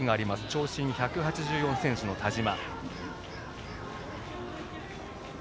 長身１８４ｃｍの田嶋。